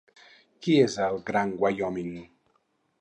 Qui és el Gran Wyoming?